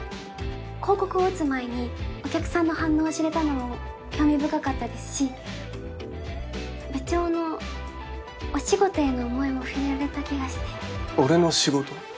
広告を打つ前にお客さんの反応を知れたのも興味深かったですし部長のお仕事への思いも触れられた気がして俺の仕事？